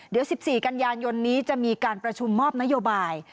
เดี๋ยว๑๔กันยายนนี้จะมีการประชุมมอบนโยบาย